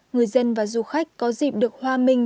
người dân và du khách có dịp được hoa minh